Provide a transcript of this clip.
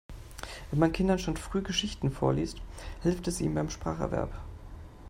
Wenn man Kindern schon früh Geschichten vorliest, hilft es ihnen beim Spracherwerb.